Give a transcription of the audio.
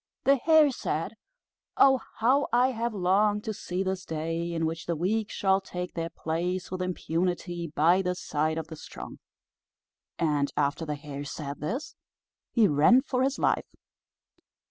The Hare said, "Oh, how I have longed to see this day, in which the weak shall take their place with impunity by the side of the strong." And after the Hare said this, he ran for his life.